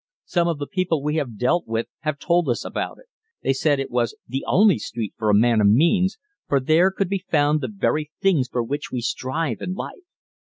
Some of the people we have dealt with have told us about it. They said it was the only street for a man of means, for there could be found the very things for which we strive in life.